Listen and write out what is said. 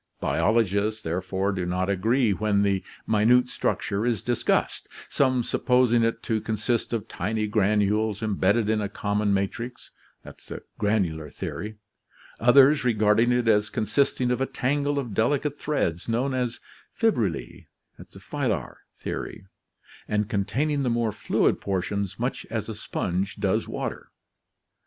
Biologists, c8' therefore, do not agree when the minute structure is discussed, some supposing it to consist of tiny granules embedded in a 1 common matrix (granular theory), others regarding it as consisting of a tangle of delicate threads known as fibrillar (filar theory) and containing the more fluid portions much as a sponge __„.... does water.